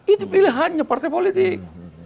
itu pilihannya partai politik